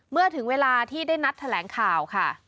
เมื่อถึงเวลาที่ได้นัดแถลงข่าวค่ะ